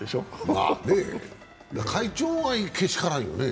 まあね、会長がけしからんよね。